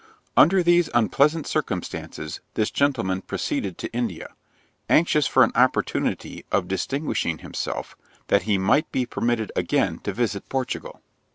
Under these unpleasant circumstances this gentleman proceeded to India, anxious for an opportunity of distinguishing himself, that he might be permitted again to visit Portugal.